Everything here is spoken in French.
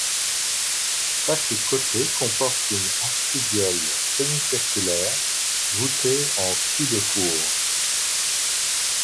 Chaque côté comporte une absidiole semi-circulaire, voûtée en cul-de-four.